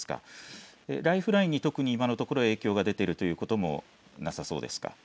ライフラインに今のところ影響が出ているということもなさそうですか。